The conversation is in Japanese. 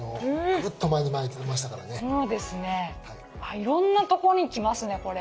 いろんなとこにきますねこれ。